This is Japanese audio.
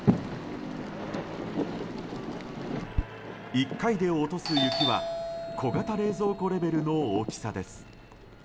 １回で落とす雪は小型冷蔵庫レベルの大きさです。